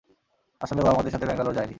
আসলে, ও আমাদের সাথে ব্যাঙ্গালোর যায়নি।